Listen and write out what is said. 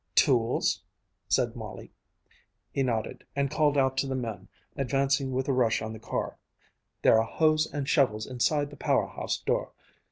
"Tools?" said Molly. He nodded and called out to the men advancing with a rush on the car: "There are hoes and shovels inside the power house door.